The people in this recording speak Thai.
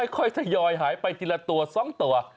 ค่อยทยอยหายไปทีละตัว๒ตัว